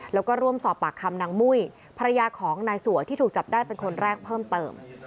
แล้วก็ร่วมสอบปากคำนางมุ้ยภรรยาของนายสัวที่ถูกจับได้เป็นคนแรกเพิ่มเติม